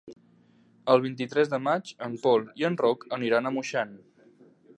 El vint-i-tres de maig en Pol i en Roc aniran a Moixent.